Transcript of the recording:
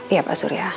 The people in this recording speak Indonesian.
iya pak surya